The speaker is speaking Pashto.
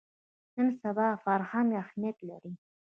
نن سبا فرهنګ اهمیت لري